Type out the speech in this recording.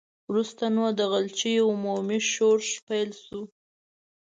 وروسته نو د غلجیو عمومي ښورښ پیل شو.